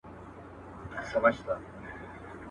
الوپه شوتالو پېوند دي.